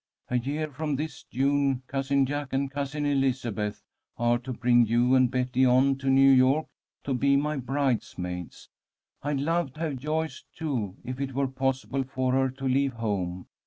"'A year from this June, Cousin Jack and Cousin Elizabeth are to bring you and Betty on to New York to be my bridesmaids. I'd love to have Joyce, too, if it were possible for her to leave home.